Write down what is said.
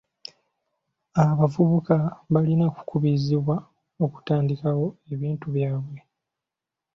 Abavubuka balina okukubirizibwa okutandikawo ebintu byabwe.